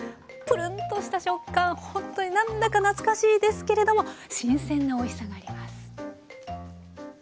プルンとした食感ほんとに何だか懐かしいですけれども新鮮なおいしさがあります。